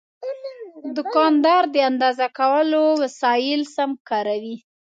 دوکاندار د اندازه کولو وسایل سم کاروي.